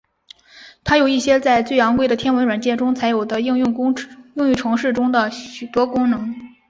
它有一些在最昂贵的天文软体中才有的应用程式中的许多功能。